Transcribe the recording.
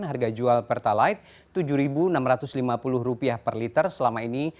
harga jual pertalite rp tujuh enam ratus lima puluh per liter selama ini